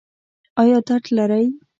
ایا درد لرئ؟